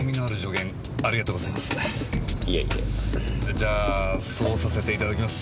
じゃあそうさせていただきます。